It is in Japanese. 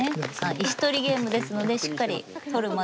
石取りゲームですのでしっかり取るまでが。